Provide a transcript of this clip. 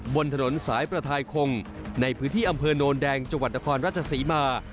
บนถนนสายประทายคงในพื้นที่อำเภอโนนแดงจังหวัดนครราชศรีมา